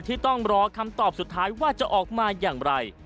ที่ต้องรอคำตอบสุดท้ายว่าจะออกมาอย่างไร